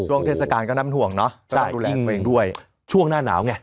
ช่วงเทศกาลก็น้ำห่วงเนอะใช่ดูแลตัวเองด้วยช่วงหน้าหนาวไง